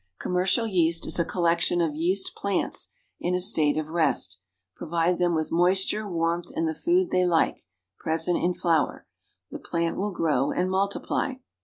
Commercial yeast is a collection of yeast plants in a state of rest; provide them with moisture. Warmth and the food they like (j)resent in flour), tlie plant will grow and multiply.